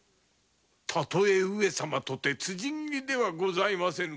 たとえ上様とて辻斬りではございませぬか。